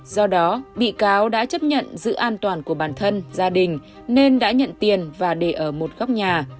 do đó bị cáo đã chấp nhận giữ an toàn của bản thân gia đình nên đã nhận tiền và để ở một góc nhà